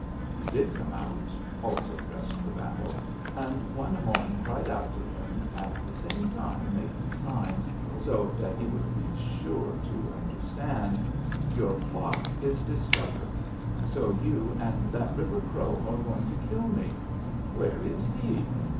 He did come out, also dressed for battle, and One Horn cried out to him, at the same time making signs, so that he would be sure to understand, 'Your plot is discovered. So you and that River Crow are going to kill me. Where is he?